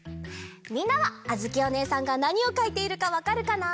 みんなはあづきおねえさんがなにをかいているかわかるかな？